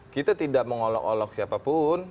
kita tidak mengolok olok siapapun